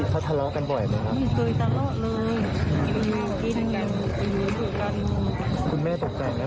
ถามโจ๊กไหมเขาว่าเพราะอะไร